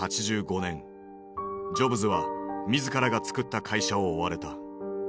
ジョブズは自らがつくった会社を追われた。